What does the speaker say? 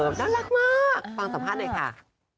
น่ารักมากฟังสัมภาษณ์หน่อยค่ะ